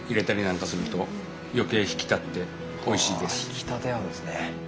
引き立て合うんですね。